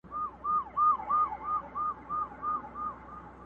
په هر ځای کي نر او ښځي په ژړا وه؛